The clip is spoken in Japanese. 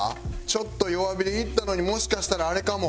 ちょっと弱火でいったのにもしかしたらあれかも。